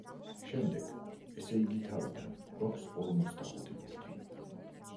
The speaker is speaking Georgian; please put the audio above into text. შემდეგ, ესე იგი, თავიდან გვაქვს ორმოცდახუთი ბურთი.